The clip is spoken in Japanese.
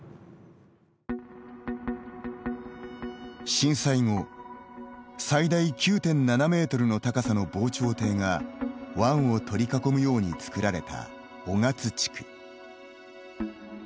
震災後、最大９．７メートルの高さの防潮堤が湾を取り囲むように造られた雄勝地区。